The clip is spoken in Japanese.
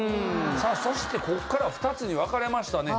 さあそしてここからは２つに分かれましたね。